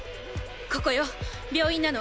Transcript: ここよ病院なの！